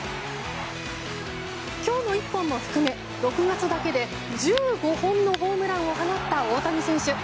今日の１本も含め、６月だけで１５本のホームランを放った大谷選手。